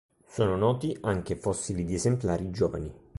Sono noti anche fossili di esemplari giovani.